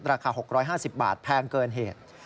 ราคา๖๕๐บาทแพงเกินเหตุ